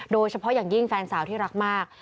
โดยเฉพาะอย่างยิ่งแฟนสาวที่รักมาก